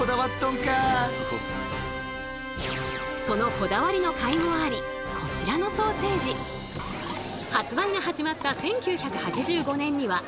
そのこだわりのかいもありこちらのソーセージ発売が始まった１９８５年には売り上げ１００億円。